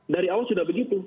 dari awal sudah begitu